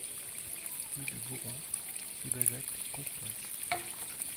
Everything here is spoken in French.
Rue de Bourran, Sébazac-Concourès